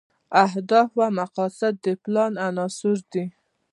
اهداف او مقاصد د پلان عناصر دي.